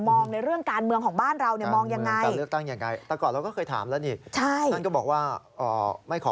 ในเรื่องการเมืองของบ้านเราเนี่ยมองยังไง